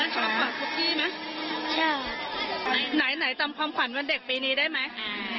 จำควัญวันเด็กปีนี้ได้ไหม